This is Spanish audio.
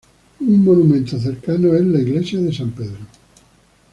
Un monumento cercano es la Iglesia de San Pedro.